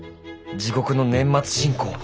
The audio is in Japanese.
地獄の年末進行。